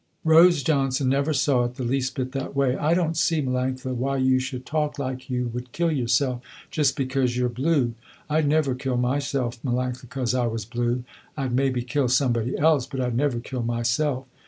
Rose Johnson never saw it the least bit that way. "I don't see Melanctha why you should talk like you would kill yourself just because you're blue. I'd never kill myself Melanctha cause I was blue. I'd maybe kill somebody else but I'd never kill myself.